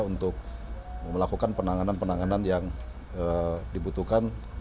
untuk melakukan penanganan penanganan yang dibutuhkan